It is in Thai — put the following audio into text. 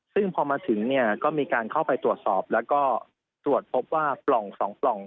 ซึ่งพอมาถึงเนี่ยก็มีการเข้าไปตรวจสอบแล้วก็ตรวจพบว่าปล่อง๒ปล่อง